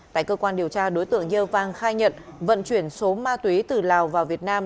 tại cơ quan điều tra đối tượng ye vang khai nhận vận chuyển số ma túy từ lào vào việt nam